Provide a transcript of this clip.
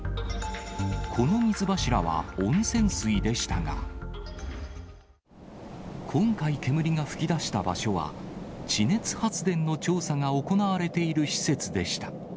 この水柱は温泉水でしたが、今回煙が噴き出した場所は、地熱発電の調査が行われている施設でした。